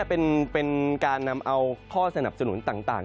คือตอนนี้เป็นการนำเอาข้อสนับสนุนต่าง